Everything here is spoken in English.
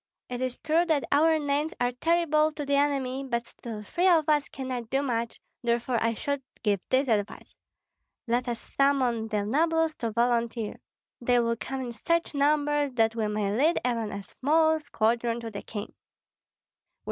It is true that our names are terrible to the enemy, but still three of us cannot do much, therefore I should give this advice: Let us summon the nobles to volunteer; they will come in such numbers that we may lead even a small squadron to the king.